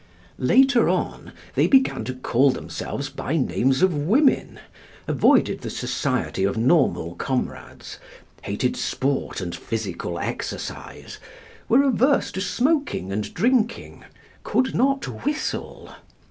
Later on, they began to call themselves by names of women, avoided the society of normal comrades, hated sport and physical exercise, were averse to smoking and drinking, could not whistle.